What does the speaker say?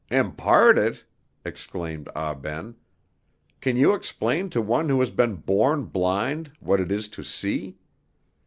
"Impart it!" exclaimed Ah Ben. "Can you explain to one who has been born blind what it is to see?